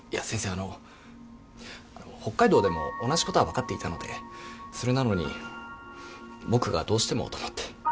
あの北海道でも同じことは分かっていたのでそれなのに僕がどうしてもと思って。